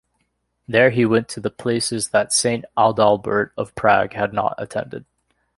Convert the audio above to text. There he went to the places that Saint Adalbert of Prague had attended.